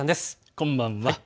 こんばんは。